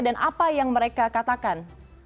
dan apa yang mereka katakan